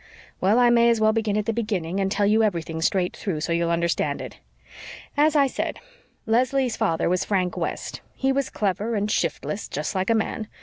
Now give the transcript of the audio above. "Well, I may as well begin at the beginning and tell you everything straight through, so you'll understand it. As I said, Leslie's father was Frank West. He was clever and shiftless just like a man.